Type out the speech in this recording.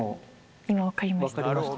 今分かりました。